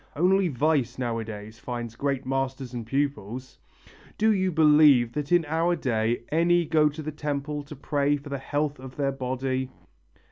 Only vice nowadays finds great masters and pupils!... Do you believe that in our day any go to the temple to pray for the health of their body?